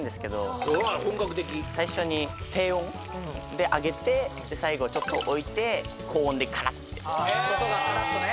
本格的最初に低温で揚げてで最後ちょっと置いて高温でカラッて外がカラッとね